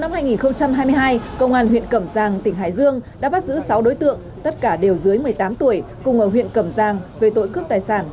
năm hai nghìn hai mươi hai công an huyện cẩm giang tỉnh hải dương đã bắt giữ sáu đối tượng tất cả đều dưới một mươi tám tuổi cùng ở huyện cẩm giang về tội cướp tài sản